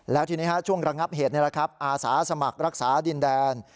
แล้วทีนี้ช่วงระงับเหตุอาสาสมัครรักษาดินแดน